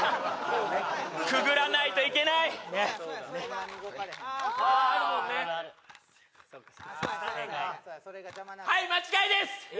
くぐらないといけないはい間違いです